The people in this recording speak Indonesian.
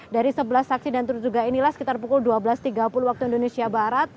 dari sebelas saksi dan terduga inilah sekitar pukul dua belas tiga puluh waktu indonesia barat